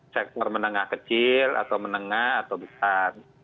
sektor menengah kecil atau menengah atau besar